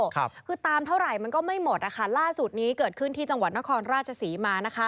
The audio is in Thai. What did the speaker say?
คือตามเท่าไหร่มันก็ไม่หมดนะคะล่าสุดนี้เกิดขึ้นที่จังหวัดนครราชศรีมานะคะ